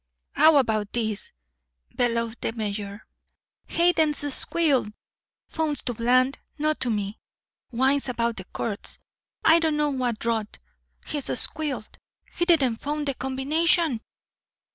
"How about this?" bellowed the mayor. "Hayden's squealed. Phones to Bland not to me. Whines about the courts I don't know what rot. He's squealed. He didn't phone the combination."